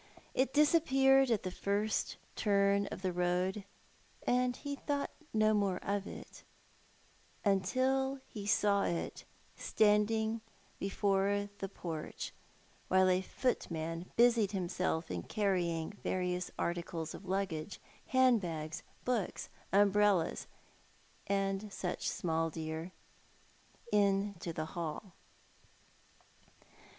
It disappeared at the first turn of the road, and he thought no more of it, until he saw it standing before the porch, while a footman busied himself in carrying various articles of luggage, handbags, books, umbrellas, and such small deer, into the hall.